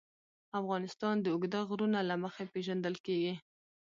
افغانستان د اوږده غرونه له مخې پېژندل کېږي.